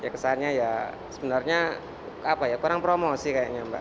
kesannya ya sebenarnya kurang promosi kayaknya mbak